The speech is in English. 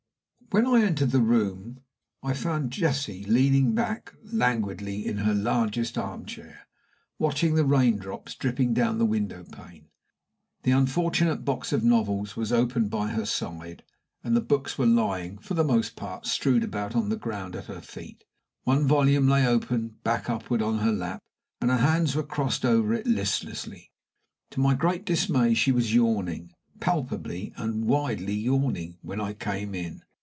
When I entered the room I found Jessie leaning back languidly in her largest arm chair, watching the raindrops dripping down the window pane. The unfortunate box of novels was open by her side, and the books were lying, for the most part, strewed about on the ground at her feet. One volume lay open, back upward, on her lap, and her hands were crossed over it listlessly. To my great dismay, she was yawning palpably and widely yawning when I came in.